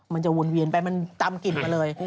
มันจะวนเวียนไปมันตำกลิ่นมาเลย